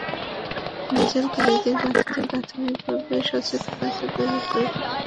ভেজালকারীদের বিরুদ্ধে প্রাথমিকভাবে সচেতনতা তৈরি করে পরবর্তী সময়ে আইন প্রয়োগ করা হবে।